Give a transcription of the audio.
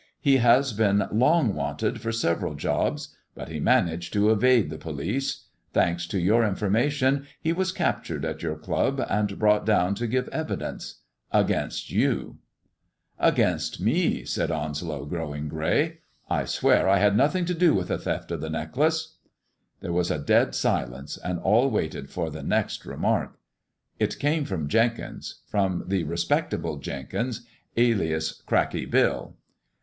He has been long wanted for several jobs, but he managed to evade the police. Thanks to your information, he was captured at your club and brought down to give evidence — against you." : IVOBT LEO AND THE DIAMONDS 359 " Against me !" said Onelow, growing grey. " I swear I had nothing to do mtt tlie theft of the necklace." There was a dead silence, and all waited for the next remark. It came from Jenkins — from the respectable Jenkins, aliaa Cracky Bill.